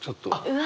うわ。